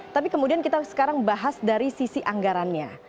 tapi kemudian kita sekarang bahas dari sisi anggarannya